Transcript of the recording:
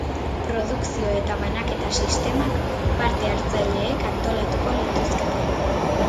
Produkzio eta banaketa sistemak parte-hartzaileek antolatuko lituzkete.